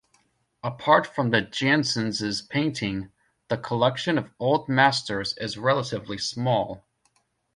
Apart from the Janssens' painting, the collection of Old Masters is relatively small.